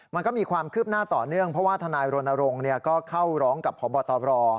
มันก็มีความคืบหน้าต่อเนื่องเพราะว่าทนายรณรงค์ก็เข้าร้องกับพบตร